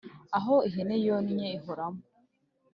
Aho ihene yonnye ihoramo.